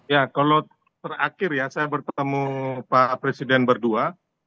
ya kalau terakhir ya saya bertemu pak presiden berdua